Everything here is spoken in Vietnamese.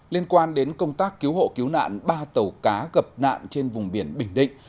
liên quan đến công tác cứu hộ cứu nạn ba tàu cá gập nạn trên vùng biển bình định